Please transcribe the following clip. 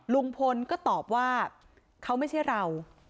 ลุงพลก็ตอบว่าเขาไม่ใช่เรา